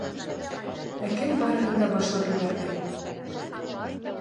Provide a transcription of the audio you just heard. Ә кем барыһын да башлап ебәрҙе?